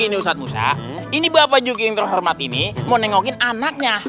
ini ustadz musa ini bapak juga yang terhormat ini mau nengokin anaknya